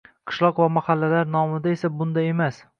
Qishloq va mahallalar nomida esa bunday emas